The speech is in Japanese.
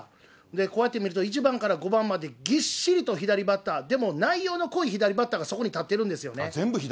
こうやって見ると、１番から５番まで、ぎっしりと左バッター、でも内容の濃い左バッターがそこに立ってるんですよね。